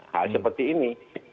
hal seperti ini